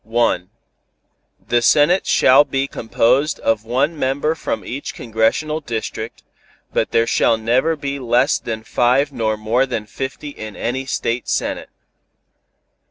The Senate shall be composed of one member from each congressional district, but there shall never be less than five nor more than fifty in any State Senate.